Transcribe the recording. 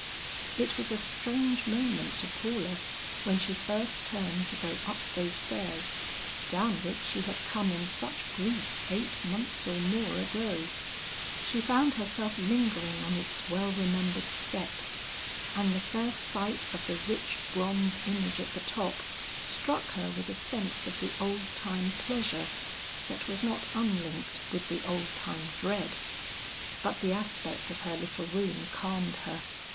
It was a strange moment to Paula when she first turned to go up those stairs, down which she had come in such grief eight months or more ago. She found herself lingering on its well remembered steps, and the first sight of the rich bronze image at the top, struck her with a sense of the old time pleasure, that was not unlinked with the old time dread. But the aspect of her little room calmed her.